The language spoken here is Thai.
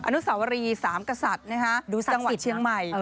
อนุสาวรีสามกษัตริย์จังหวัดเชียงใหม่